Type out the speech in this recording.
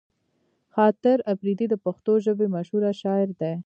خاطر اپريدی د پښتو ژبې مشهوره شاعر دی